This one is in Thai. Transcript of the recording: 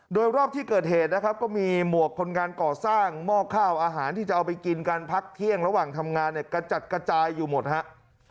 โดยรอบที่เกิดเหตุนะครับก็มีหมวกคนงานก่อสร้างหม้อข้าวอาหารที่จะเอาไปกินการพักเที่ยงระหว่างทำงานเนี่ยกระจัดกระจายอยู่หมดฮะ